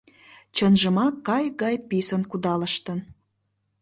Чынжымак кайык гай писын кудалыштын.